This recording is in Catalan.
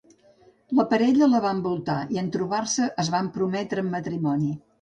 La parella la va envoltar i en trobar-se es van prometre en matrimoni.